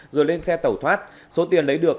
rồi lên xe tẩu thoát số tiền lấy được